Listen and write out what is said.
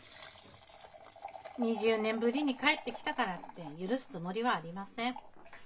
２０年ぶりに帰ってきたからって許すつもりはありません。